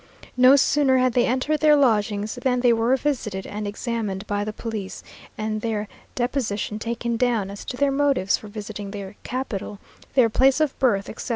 No sooner had they entered their lodgings, than they were visited and examined by the police, and their deposition taken down as to their motives for visiting the capital, their place of birth, etc.